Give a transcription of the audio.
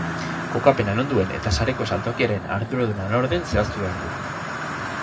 Kokapena non duen eta sareko saltokiaren arduraduna nor den zehaztu behar du.